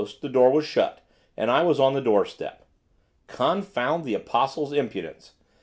the door was shut, and I was on the doorstep. Confound the Apostle's impudence!